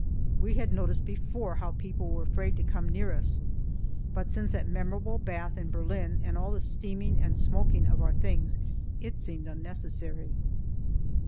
We had noticed before how people were afraid to come near us, but since that memorable bath in Berlin, and all the steaming and smoking of our things, it seemed unnecessary.